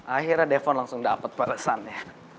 akhirnya devon langsung dapat pelesannya